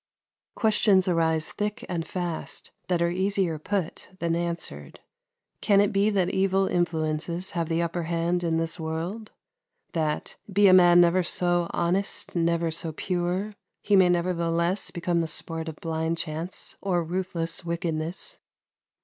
Questions arise thick and fast that are easier put than answered. Can it be that evil influences have the upper hand in this world? that, be a man never so honest, never so pure, he may nevertheless become the sport of blind chance or ruthless wickedness?